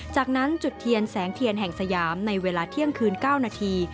จากนั้นจุดเทียนแสงเทียนแห่งสยามในเวลาเที่ยงคืน๙นาที